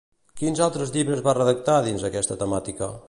Quins altres llibres va redactar dins aquesta temàtica?